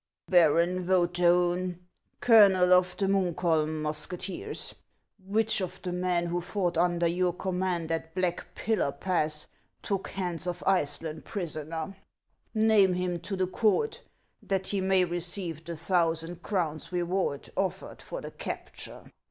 BAEOX VCETHAUX, colonel of the Munkholm musketeers, which of the men who fought under your command at Black Pillar Pass took Hans of Ice land prisoner ? Xame him to the court, that he may receive the thousand crowns reward offered for the capture."